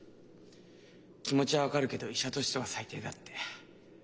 気持ちは分かるけど医者としては最低だって。